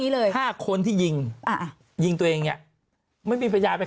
นี้เลยถ้าคนที่ยิงอ่าอ่ายิงตัวเองเนี้ยไม่มีทัศน์ไป